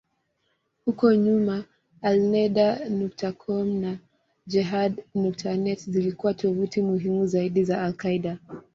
Huko nyuma, Alneda.com na Jehad.net zilikuwa tovuti muhimu zaidi za al-Qaeda.